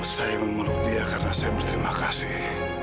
saya memeluk dia karena saya berterima kasih